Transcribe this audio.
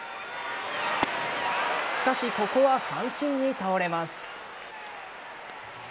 しかし、ここは三振に倒れます。